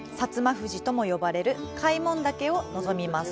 富士とも呼ばれる開聞岳を望みます。